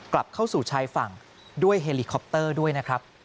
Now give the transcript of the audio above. กลับเข้าสู่ชายฝั่งด้วยเฮลิคอปเตอร์ด้วยนะครับ